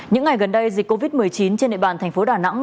những ngày gần đây dịch covid một mươi chín trên địa bàn tp đà nẵng